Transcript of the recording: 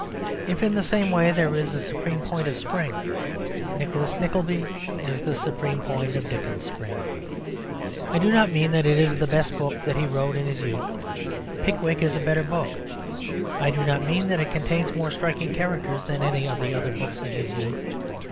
If in the same way there is a supreme point of spring, Nicholas Nickleby is the supreme point of Dickens's spring. I do not mean that it is the best book that he wrote in his youth. Pickwick is a better book. I do not mean that it contains more striking characters than any of the other books in his youth.